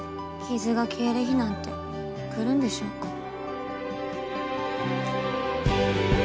傷が消える日なんて来るんでしょうか？